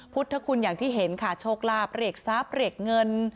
พุทธคุณอย่างที่เห็นค่ะโชคลาภเรียกทรัพย์เรียกเงิน